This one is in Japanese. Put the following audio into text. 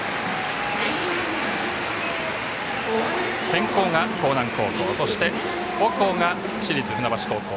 先攻が興南高校そして後攻が市立船橋高校。